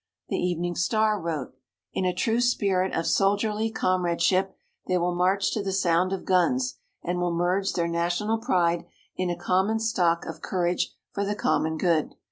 The Evening Star wrote: "In a true spirit of soldierly comradeship they will march to the sound of guns, and will merge their national pride in a common stock of courage for the common good.